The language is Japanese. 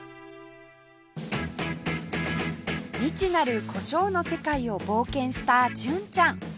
未知なる胡椒の世界を冒険した純ちゃん